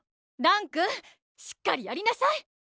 蘭君しっかりやりなさい。